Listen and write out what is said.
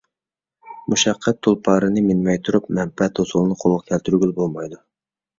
مۇشەققەت تۇلپارىنى مىنمەي تۇرۇپ مەنپەئەت ھوسۇلىنى قولغا كەلتۈرگىلى بولمايدۇ.